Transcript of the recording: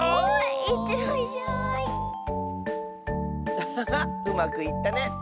アハハうまくいったね！